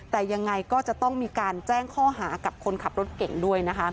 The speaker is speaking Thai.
แต่ยังไงก็จะต้องมีการแจ้งข้อหากับคนขับรถเก่งด้วยนะคะ